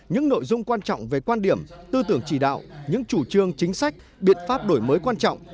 những nội dung quan trọng về quan điểm tư tưởng chỉ đạo những chủ trương chính sách biện pháp đổi mới quan trọng